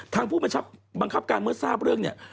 ผู้บังคับการเมื่อทราบเรื่องเนี่ย